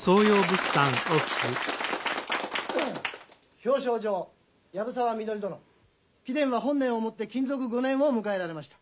「表彰状藪沢みのり殿貴殿は本年をもって勤続５年を迎えられました。